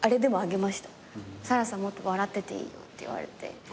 更紗もっと笑ってていいよって言われて。